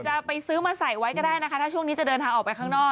จะไปซื้อมาใส่ไว้ก็ได้นะคะถ้าช่วงนี้จะเดินทางออกไปข้างนอก